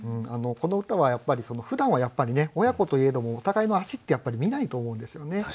この歌はやっぱりふだんは親子といえどもお互いの足って見ないと思うんですよね。